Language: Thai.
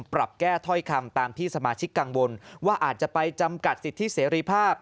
ปรับแก้ถ้อยคำตามที่สมาชิกกังวลว่าอาจจะไปจำกัดสิทธิเสรีภาพ